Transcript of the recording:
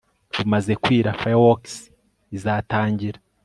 bumaze kwira, fireworks izatangira